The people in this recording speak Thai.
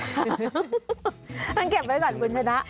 งั้นเก็บไว้ก่อนคุณชนะ